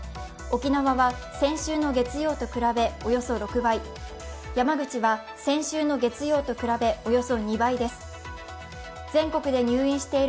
沖縄は先週の月曜と比べおよそ６倍山口は先週の月曜と比べおよそ２倍です。